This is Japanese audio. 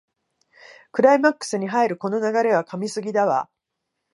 クライマックスに入るこの流れは神すぎだわ